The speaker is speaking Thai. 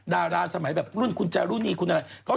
ดาราสมัยแบบรุ่นคุณจารุณีคุณอะไร